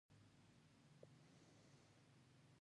ایا ستاسو صدقه قبوله ده؟